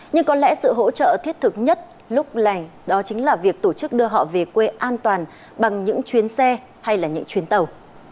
nhưng có lẽ sự hỗ trợ thiết thực nhất lúc này đó chính là việc tổ chức đưa họ về quê an toàn bằng những chuyến xe hay là những chuyến tàu